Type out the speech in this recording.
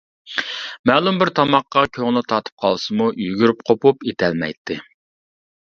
مەلۇم بىر تاماققا كۆڭلى تارتىپ قالسىمۇ يۈگۈرۈپ قوپۇپ ئېتەلمەيتتى.